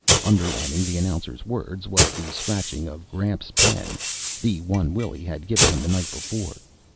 Underlining the announcer's words was the scratching of Gramps' pen, the one Willy had given him the night before.